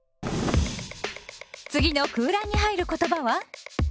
次の空欄に入る言葉は？